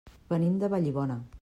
Venim de Vallibona.